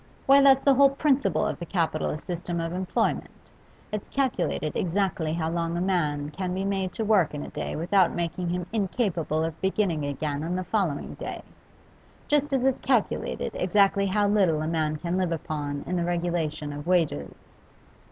Why, that's the whole principle of the capitalist system of employment; it's calculated exactly how long a man can be made to work in a day without making him incapable of beginning again on the day following just as it's calculated exactly how little a man can live upon, in the regulation of wages.